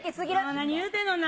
何言うてんのんや。